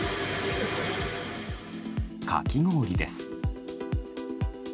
かき氷です。